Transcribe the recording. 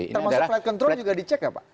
termasuk flight control juga dicek gak pak